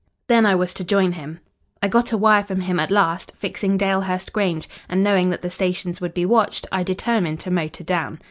Then I was to join him. I got a wire from him at last fixing Dalehurst Grange, and knowing that the stations would be watched, I determined to motor down.